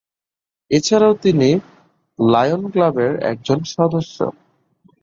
এছাড়াও তিনি লায়ন ক্লাবের একজন সদস্য।